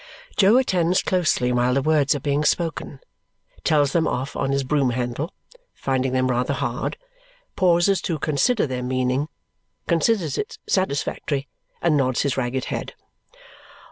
Jo attends closely while the words are being spoken; tells them off on his broom handle, finding them rather hard; pauses to consider their meaning; considers it satisfactory; and nods his ragged head.